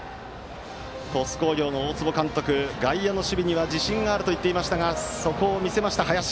鳥栖工業の大坪監督は外野の守備には自信があると言っていましたがそれを見せました林。